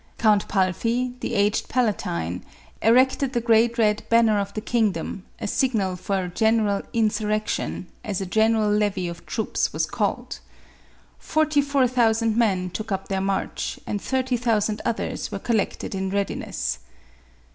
Count Palfy, the aged palatine, erected the great red banner of the kingdom, a signal for a general " insurrection," as a general levy of troops was called. Forty four thousand men took up their march, and thirty thou sand others were collected in readiness.